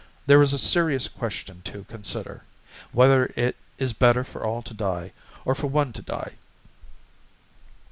There is a serious question to consider: whether it is better for all to die, or for one to die.